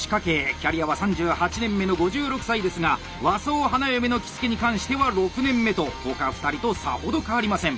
キャリアは３８年目の５６歳ですが和装花嫁の着付に関しては６年目と他２人とさほど変わりません。